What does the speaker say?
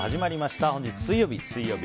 始まりました。